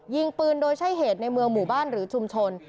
ยิงปืนโดยใช้เหตุในเมืองหมู่บ้านหรือชุมชน